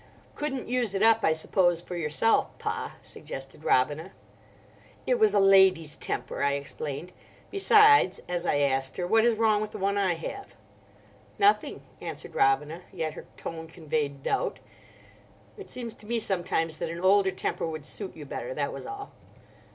"Couldn't use it up, I suppose, for yourself, Pa?" suggested Robina. "It was a lady's temper," I explained. "Besides," as I asked her, "what is wrong with the one I have?" "Nothing," answered Robina. Yet her tone conveyed doubt. "It seems to me sometimes that an older temper would suit you better, that was all."